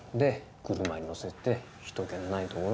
で車に乗せて人けのない所に。